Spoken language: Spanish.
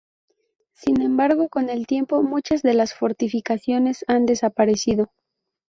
Sin embargo, con el tiempo muchas de las fortificaciones han desaparecido.